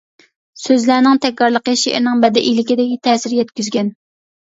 سۆزلەرنىڭ تەكرارلىقى شېئىرنىڭ بەدىئىيلىكىگە تەسىر يەتكۈزگەن.